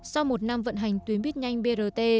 sau một năm vận hành tuyến bíp nhanh brt